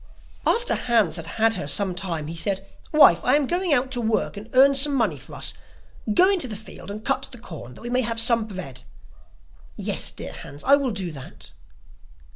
After Hans had had her some time, he said: 'Wife, I am going out to work and earn some money for us; go into the field and cut the corn that we may have some bread.' 'Yes, dear Hans, I will do that.